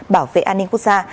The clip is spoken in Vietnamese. bảo vệ an ninh quốc gia